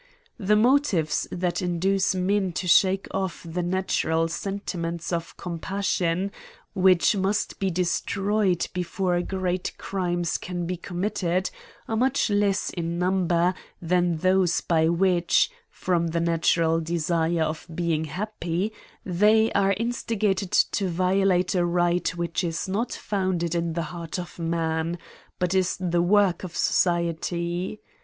The motives that induce men to shake off the natural sentiment of compassion, which must be destroyed before great crimes can be committed, are much less in number than those by which, from the natural desire of being happy, they are instigated to violate a right which is not founded in the heart of man, but is the work of society.